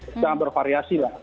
sangat bervariasi banget